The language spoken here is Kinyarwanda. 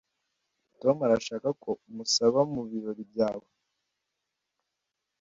Tom arashaka ko umusaba mubirori byawe